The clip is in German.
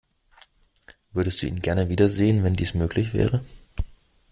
Würdest du ihn gerne wiedersehen, wenn dies möglich wäre?